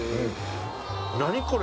何これ？